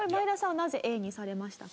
なぜＡにされましたか？